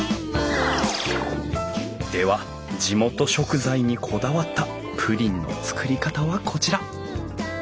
では地元食材にこだわったプリンの作り方はこちら！